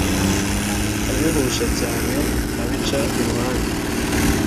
Abihusha cyane abica iruhande!